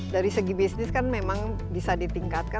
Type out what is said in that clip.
dari segi bisnis kan memang bisa ditingkatkan